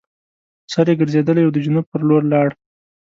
سر یې ګرځېدلی وو د جنوب پر لور لاړ.